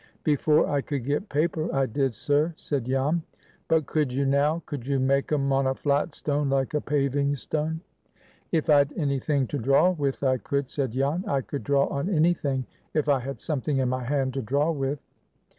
"Before I could get paper, I did, sir," said Jan. "But could you now? Could you make 'em on a flat stone, like a paving stone?" "If I'd any thing to draw with, I could," said Jan. "I could draw on any thing, if I had something in my hand to draw with."